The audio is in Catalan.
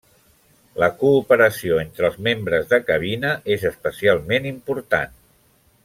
La cooperació entre els membres de cabina és especialment important.